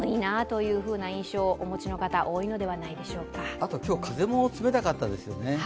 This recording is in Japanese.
あと、今日、風も冷たかったですよね。